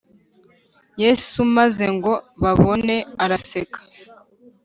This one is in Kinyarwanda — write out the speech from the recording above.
Yesu maze ngo babone araseka